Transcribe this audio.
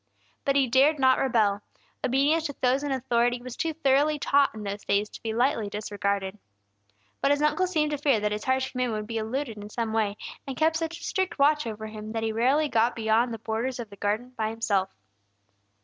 But he dared not rebel; obedience to those in authority was too thoroughly taught in those days to be lightly disregarded. But his uncle seemed to fear that his harsh command would be eluded in some way, and kept such a strict watch over him, that he rarely got beyond the borders of the garden by himself.